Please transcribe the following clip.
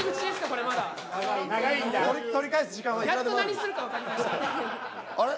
これまだやっと何するか分かりましたあれ？